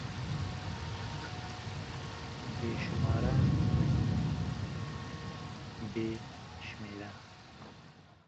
بې شماره √ بې شمېره